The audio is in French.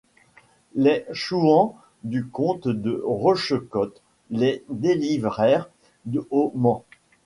Les chouans du comte de Rochecotte le délivrèrent au Mans.